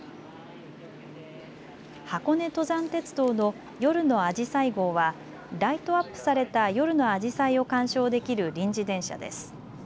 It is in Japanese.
箱根登山鉄道の夜のあじさい号はライトアップされた夜のあじさいを鑑賞できる臨時電車です。